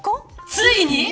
ついに。